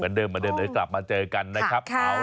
เหมือนเดิมหลับมาเจอกันนะครับ